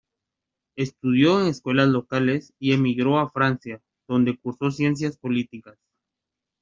Estudió en escuelas locales y emigró a Francia, donde cursó Ciencias Políticas.